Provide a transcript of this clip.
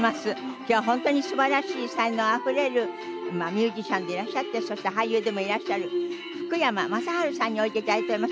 今日はホントに素晴らしい才能あふれるミュージシャンでいらっしゃってそして俳優でもいらっしゃる福山雅治さんにおいで頂いております。